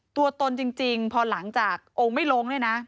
ตนจริงพอหลังจากองค์ไม่ลงเนี่ยนะ